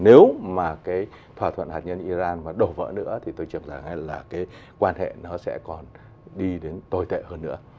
nếu mà cái thỏa thuận hạt nhân iran mà đổ vỡ nữa thì tôi chẳng hạn là cái quan hệ nó sẽ còn đi đến tồi tệ hơn nữa